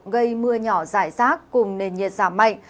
gây mưa nhỏ rải rác cùng nền nhiệt giảm mạnh